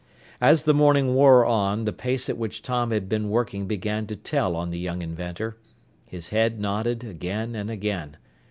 As the morning wore on, the pace at which Tom had been working began to tell on the young inventor. His head nodded again and again.